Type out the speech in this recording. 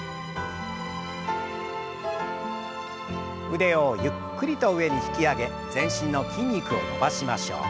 腕をゆっくりと上に引き上げ全身の筋肉を伸ばしましょう。